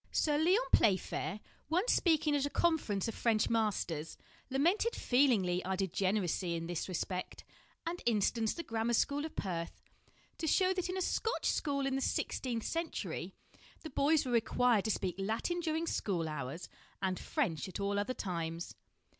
Sir Lyon Playfair, once speaking at a con ference of French masters, lamented feelingly our degeneracy in this respect, and instanced the grammar school of Perth to show that in a Scotch school in the sixteenth century the boys were required to speak Latin during school hours, and French at all other times.